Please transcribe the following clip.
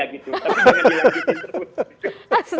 tapi jangan dilanjutin terus